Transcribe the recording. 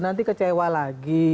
nanti kecewa lagi